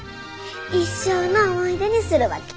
一生の思い出にするわけ。